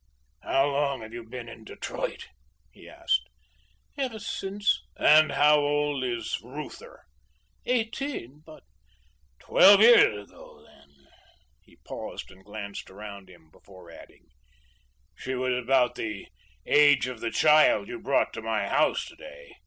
"How long have you been in Detroit?" he asked. "Ever since " "And how old is Reuther?" "Eighteen, but " "Twelve years ago, then." He paused and glanced about him before adding, "She was about the age of the child you brought to my house to day."